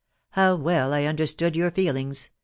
How well I understood your feelings